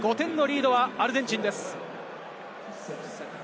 ５点のリードはアルゼンチンです。